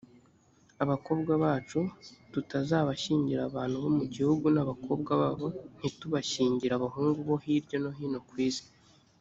abakobwa bacu tutazabashyingira abantu bo mu gihugu n abakobwa babo ntitubashyingire abahungu bo hirya no hino ku isi